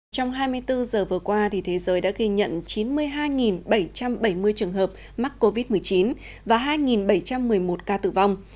trong hai mươi bốn giờ vừa qua thế giới đã ghi nhận chín mươi hai bảy trăm bảy mươi trường hợp mắc covid một mươi chín và hai bảy trăm một mươi một ca tử vong